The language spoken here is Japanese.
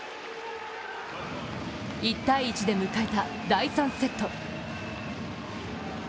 １−１で迎えた第３セット。